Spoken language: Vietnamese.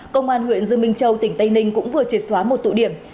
công an huyện dương minh châu tỉnh tây ninh cũng vừa triệt xóa một tụ điểm